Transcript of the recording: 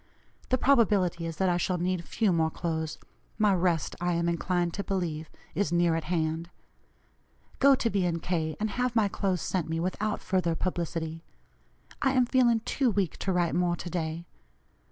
The probability is that I shall need few more clothes; my rest, I am inclined to believe, is near at hand. Go to B. & K., and have my clothes sent me without further publicity. I am feeling too weak to write more to day.